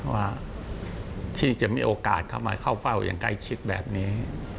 ว่าที่จะมีโอกาสเข้ามาเข้าเฝ้าอย่างใกล้ชิดแบบนี้